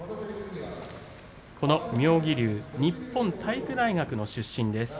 妙義龍、日本体育大学の出身です。